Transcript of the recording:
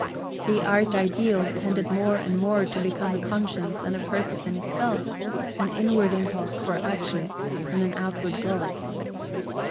The art ideal tended more and more to become a conscience and a purpose in itself, an inward impulse for action and an outward goal.